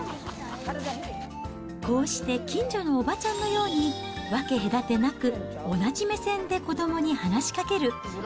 こうして、近所のおばちゃんのように分け隔てなく同じ目線で子どもに話しかける。